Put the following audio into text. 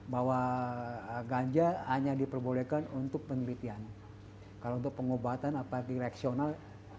tujuh puluh satu bahwa ganja hanya diperbolehkan untuk penelitian kalau untuk pengobatan apa direksional